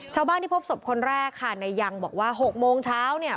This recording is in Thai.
ชาวบ้านที่พบศพคนแรกค่ะในยังบอกว่า๖โมงเช้าเนี่ย